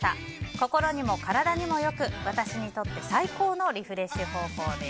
心にも体にもよく、私にとって最高のリフレッシュ方法です。